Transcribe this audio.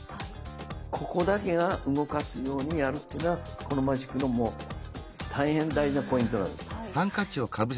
ここだけが動かすようにやるっていうのがこのマジックの大変大事なポイントなんです。